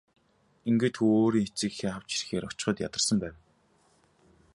Ингээд хүү өөрийн эцэг эхээ авч ирэхээр очиход ядарсан байв.